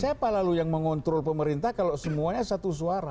jadi apa lalu yang mengontrol pemerintah kalau semuanya satu suara